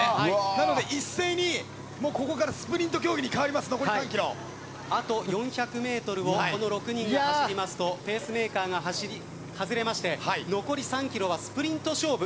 なので一斉にここからスプリント競技にあと４００ｍを６人が走りますとペースメーカーが外れまして残り３ｋｍはスプリント勝負。